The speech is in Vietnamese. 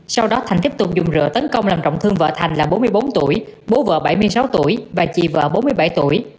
sau đó thành tiếp tục dùng rượu tấn công làm trọng thương vợ thành là bốn mươi bốn tuổi bố vợ bảy mươi sáu tuổi và chị vợ bốn mươi bảy tuổi